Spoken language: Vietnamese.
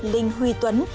linh huy tuấn